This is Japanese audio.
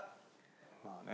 まあね。